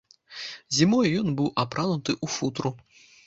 Зімою ён быў апрануты ў футру.